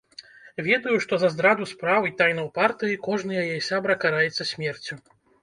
Ведаю, што за здраду спраў і тайнаў партыі кожны яе сябра караецца смерцю.